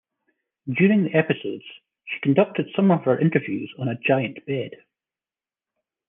During the episodes, she conducted some of her interviews on a giant bed.